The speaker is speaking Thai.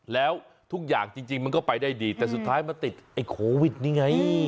แล้วทุกอย่างจริงมันก็ไปได้ดีแต่สุดท้ายมาติดไอ้โควิดนี่ไง